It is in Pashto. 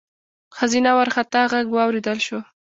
ښځينه وارخطا غږ واورېدل شو: